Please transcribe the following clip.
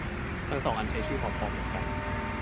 ทั้งสองอันใช้ชื่อ หมอพร้อม เหมือนกัน